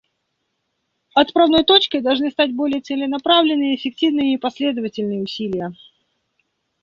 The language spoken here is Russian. Отправной точкой должны стать более целенаправленные, эффективные и последовательные усилия.